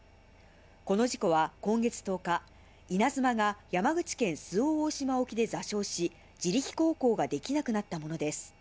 この事故は今月１０日、いなづまが山口県周防大島沖で座礁し、自力航行ができなくなったものです。